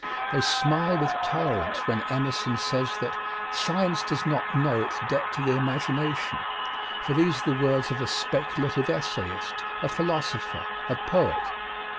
They smile with tolerance when Emerson says that "Science does not know its debt to the imagination," for these are the words of a speculative essayist, a philosopher, a poet.